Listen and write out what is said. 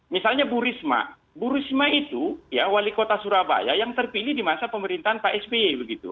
misalnya bu risma bu risma itu ya wali kota surabaya yang terpilih di masa pemerintahan pak sby begitu